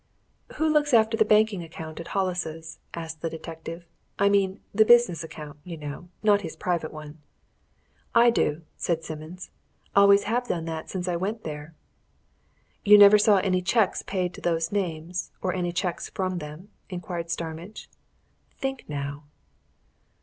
"Who looks after the banking account at Hollis's?" asked the detective. "I mean, the business account you know. Not his private one." "I do," said Simmons. "Always have done since I went there." "You never saw any cheques paid to those names or any cheques from them?" inquired Starmidge. "Think, now!"